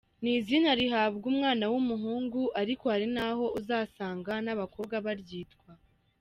Ni izina rihabwa umwana w’umuhungu ariko hari naho uzasanga n’abakobwa baryitwa.